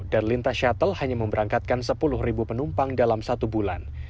dan lintas shuttle hanya memberangkatkan sepuluh ribu penumpang dalam satu bulan